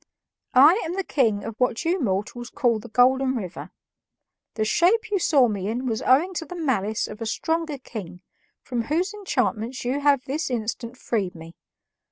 "I am the king of what you mortals call the Golden River. The shape you saw me in was owing to the malice of a stronger king, from whose enchantments you have this instant freed me.